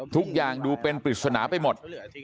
ทุกอย่างดูเป็นปริศนาไปหมด